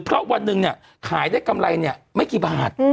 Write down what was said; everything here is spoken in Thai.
เพราะวันหนึ่งเนี่ยขายได้กำไรเนี่ยไม่กี่บาท